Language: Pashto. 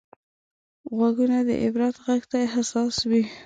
غوږونه د عبرت غږ ته حساس وي